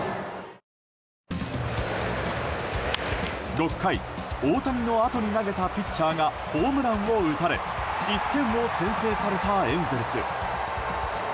６回、大谷のあとに投げたピッチャーがホームランを打たれ１点を先制されたエンゼルス。